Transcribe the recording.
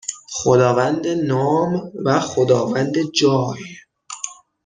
خداوند نام و خداوند جای